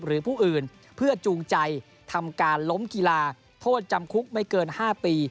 หรือผู้อื่นเพื่อจูงใจทำการล้มกีฬาโทษจำคุกไม่เกิน๕ปี